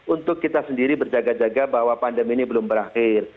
untuk kita sendiri berjaga jaga bahwa pandemi ini belum berakhir